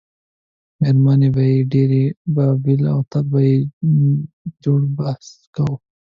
میرمنې به یې ډېری بایلل او تل به یې جروبحث کاوه.